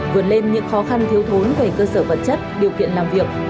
vượt lên những khó khăn thiếu thốn về cơ sở vật chất điều kiện làm việc